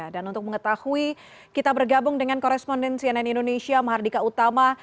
dan untuk mengetahui kita bergabung dengan korespondensi nn indonesia mahardika utama